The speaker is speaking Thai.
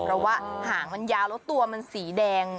เพราะว่าหางมันยาวแล้วตัวมันสีแดง